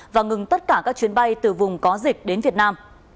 và ngừng tất cả các chuyến bay từ vùng có dịch đến việt nam